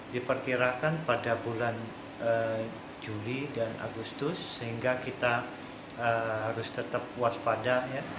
diperkirakan pada bulan juli dan agustus sehingga kita harus tetap waspada